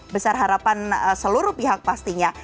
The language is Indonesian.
besar harapan seluruh pihak pastinya